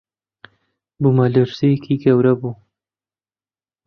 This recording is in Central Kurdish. بوومەلەرزەیێکی گەورە بوو